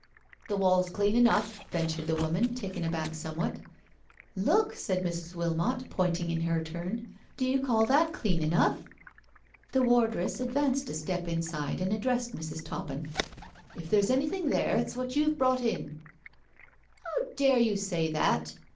"The wall's clean enough," returned the woman, taken aback somewhat. " Look," said Mrs. Wilmot, pointing in her turn, " do you call that clean enough?" The wardress advanced a step inside and addressed Mrs. Toppin. " If there's anything there it's what you've brought m. " How dare you say that?"